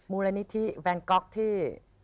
มูลนิธิแวนก๊อกที่